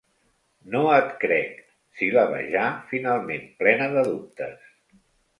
No et crec —sil·labeja finalment, plena de dubtes.